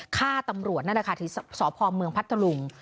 ฆ่าตำรวจนั่นแหละค่ะที่สพเมืองพัทธลุง